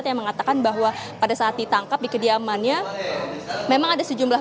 tim liputan kompas tv